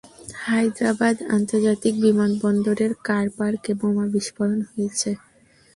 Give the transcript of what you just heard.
হায়দ্রাবাদ আন্তর্জাতিক বিমানবন্দরের, কার পার্কে বোমা বিস্ফোরণ হয়েছে।